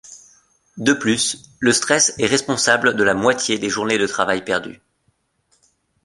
De plus, le stress est responsable de la moitié des journées de travail perdues.